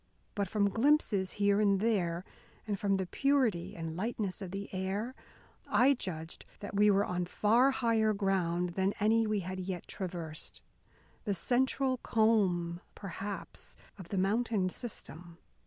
But, from glimpses here and there, and from the purity and lightness of the air, I judged that we were on far higher ground than any we had yet traversed, the central comb, perhaps, of the mountain system.